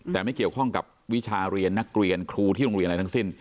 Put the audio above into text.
แต่ไม่เกี่ยวข้องกับวิชาเรียนนักเรียนครูที่โรงเรียนอะไรทั้งสิ้น